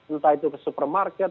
entah itu ke supermarket